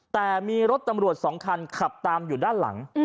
แต่มีรถตำรวจ๒คันขับตามอยู่ด้านหลัง